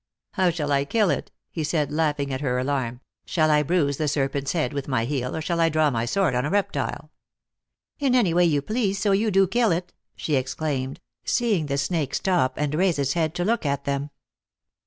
" How shall I kill it," he said, laughing at her alarm. " Shall I bruise the serpent s head with my heel, or shall I draw my sword on a reptile ?"" In any way you please, so you do kill it," she 10 226 THE ACTKESS IN HIGH LIFE. exclaimed, seeing tlie snake stop and raise its head to look at them.